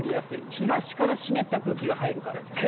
東から湿った空気が入るからですね。